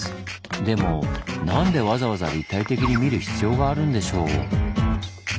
でもなんでわざわざ立体的に見る必要があるんでしょう？